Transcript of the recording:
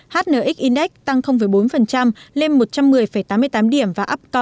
hnx index tăng bốn lên một trăm một mươi tám mươi tám điểm và up to